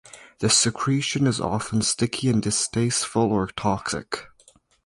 The secretion is often sticky and distasteful or toxic.